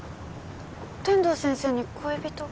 天堂先生に恋人が？